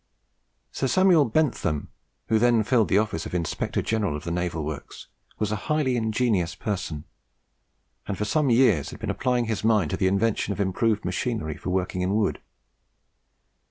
Sir Samuel Bentham, who then filled the office of Inspector General of Naval Works, was a highly ingenious person, and had for some years been applying his mind to the invention of improved machinery for working in wood.